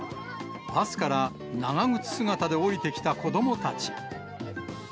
バスから長靴姿で降りてきた子どもたち。